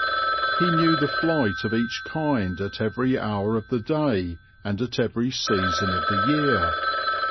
He knew the flight of each kind at every hour of the day and at every season of the year.